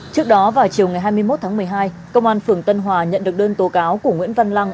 trước đó vào chiều ngày hai mươi một tháng một mươi hai công an phường tân hòa nhận được đơn tố cáo của nguyễn văn lăng